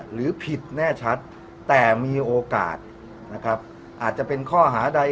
หรือผิดแน่ชัดแต่มีโอกาสนะครับอาจจะเป็นข้อหาใด